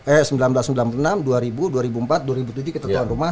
eh seribu sembilan ratus sembilan puluh enam dua ribu dua ribu empat dua ribu tujuh kita tuan rumah